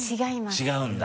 違うんだ。